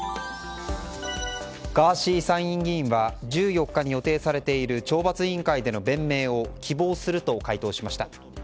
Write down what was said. ガーシー参院議員は１４日予定されている懲罰委員会での弁明を希望すると回答しました。